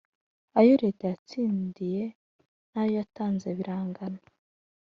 Ayo Leta yatsindiye n’ayo yatanze birangana